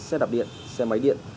xe đạp điện xe máy điện